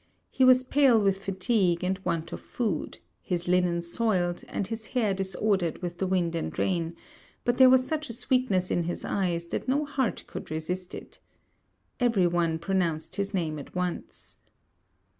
He was pale with fatigue, and want of food; his linen soiled; and his hair disordered with the wind and rain; but there was such a sweetness in his eyes, that no heart could resist it. Every one pronounced his name at once.